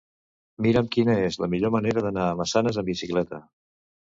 Mira'm quina és la millor manera d'anar a Massanes amb bicicleta.